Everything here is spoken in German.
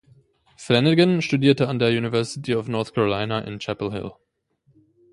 Flanagan studierte an der University of North Carolina in Chapel Hill.